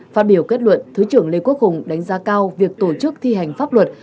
phát biểu kết luận thứ trưởng lê quốc hùng đánh giá cao việc tổ chức thi hành pháp luật